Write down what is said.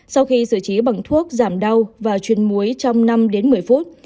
sau khi xử trí bằng thuốc giảm đau và chuyên muối trong năm một mươi phút